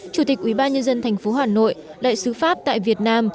chủ tịch ủy ban nhân dân thành phố hà nội đại sứ pháp tại việt nam